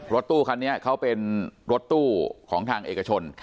รถตู้คันนี้เขาเป็นรถตู้ของทางเอกชน